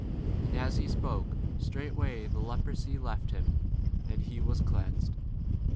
And as he spoke, straightway the lepro sy left him, and he was cleansed.